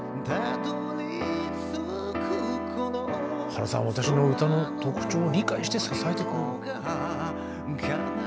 「原さんは私の歌の特徴を理解して支えてくれる」。